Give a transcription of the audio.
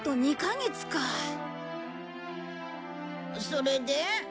それで？